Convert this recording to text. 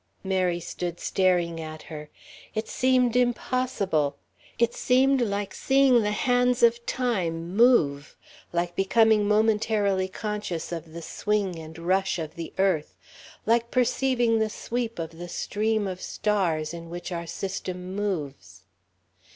Mary stood staring at her. It seemed impossible. It was like seeing the hands of time move, like becoming momentarily conscious of the swing and rush of the earth, like perceiving the sweep of the stream of stars in which our system moves....